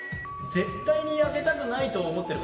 絶対に焼けたくないと思ってる方